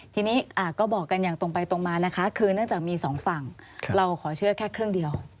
ทีนี้ก็บอกกันอย่างตรงไปตรงมานะคะคือเนื่องจากมีสองฝั่งเราขอเชื่อแค่เครื่องเดียว